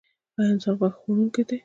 ایا انسان غوښه خوړونکی دی؟